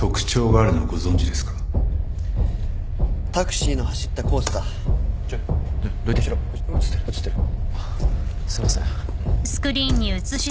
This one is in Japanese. あっすいません。